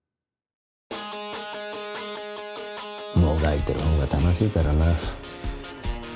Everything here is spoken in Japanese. もがいてるほうが楽しいからな。